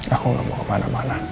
aku nggak mau kemana mana